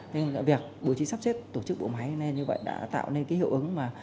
nên việc bố trí sắp xếp tổ chức bộ máy như vậy đã tạo nên hiệu ứng